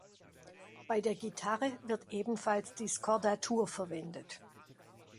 Bei der Gitarre wird ebenfalls die Skordatur verwendet.